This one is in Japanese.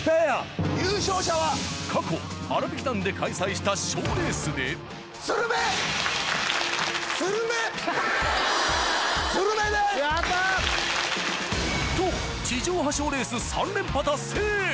過去あらびき団で開催した賞レースでやった！と地上波賞レース３連覇達成！